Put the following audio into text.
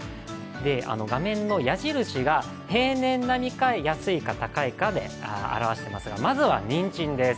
画面の矢印が平年並みか安いか、高いかで表していますが、まずはにんじんです。